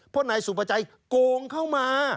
เพราะนายสุประชัยโกงเข้ามา